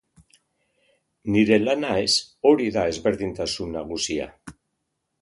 Nire lana ez, hori da ezberdintasun nagusia.